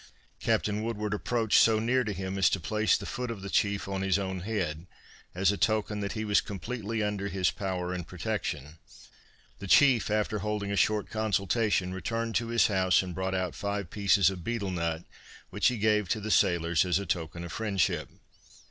Captain Woodward approached so near to him as to place the foot of the chief on his own head, as a token that he was completely under his power and direction. The chief after holding a short consultation, returned to his house and brought out five pieces of betel nut, which he gave to the sailors as a token of friendship.